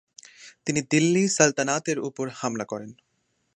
তিনি দিল্লি সালতানাতের উপর হামলা করেন।